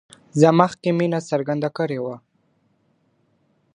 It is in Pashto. زه مخکي مينه څرګنده کړې وه